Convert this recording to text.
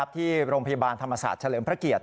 ที่โรงพยาบาลธรรมศาสตร์เฉลิมพระเกียรติ